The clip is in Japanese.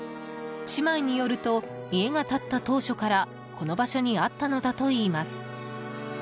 姉妹によると家が建った当初からこの場所にあったのだといいます。